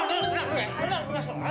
aduh aduh kenapa lo langsung hantar